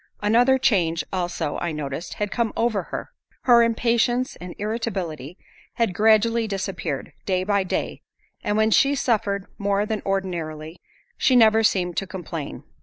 Another change also I noticed had come over her. Her impatience and irritability had gradually disappeared, day by day, and when she suffered more than ordinarily, she never seemed to complain.